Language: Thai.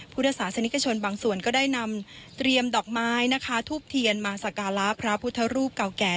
พุทธศาสนิกชนบางส่วนก็ได้นำเตรียมดอกไม้นะคะทูบเทียนมาสการะพระพุทธรูปเก่าแก่